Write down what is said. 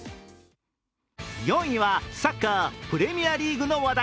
４位はサッカー・プレミアリーグの話題。